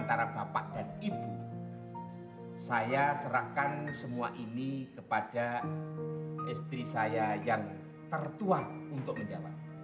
sampai jumpa di video selanjutnya